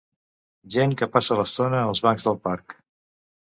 Gent que passa l'estona als bancs del parc.